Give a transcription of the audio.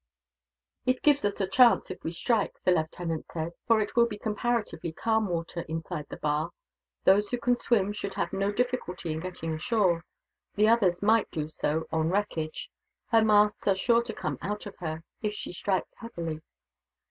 "It gives us a chance, if we strike," the lieutenant said, "for it will be comparatively calm water, inside the bar. Those who can swim should have no difficulty in getting ashore. The others might do so, on wreckage. Her masts are sure to come out of her, if she strikes heavily."